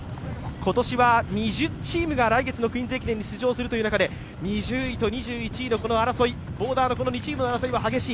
今年は２０チームが来月の「クイーンズ駅伝」に出場できるという中で２０位と２１位の争い、ボーダーの２チームの争いは激しい。